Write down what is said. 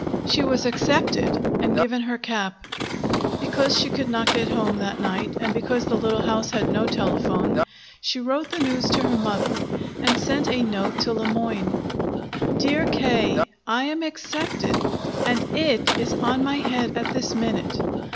She was accepted, and given her cap. Because she could not get home that night, and because the little house had no telephone, she wrote the news to her mother and sent a note to Le Moyne: DEAR K., I am accepted, and IT is on my head at this minute.